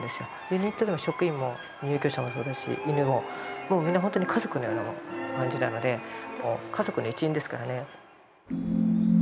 ユニットでの職員も入居者もそうだし犬ももうみんなほんとに家族のような感じなのでもう家族の一員ですからね。